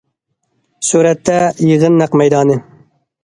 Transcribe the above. سۈرەتتە يىغىن نەق مەيدانى.